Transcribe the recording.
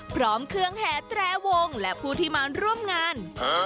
พร้อมเครื่องแห่แตรวงและผู้ที่มาร่วมงาน